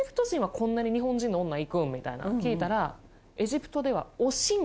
「こんなに日本人の女いくん？」みたいなん聞いたら「おしん」？